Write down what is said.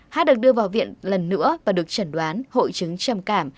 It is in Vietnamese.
hát được đưa vào viện lần nữa và được chẩn đoán hội chứng trầm cảm